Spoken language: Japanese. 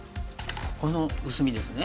この薄みですね。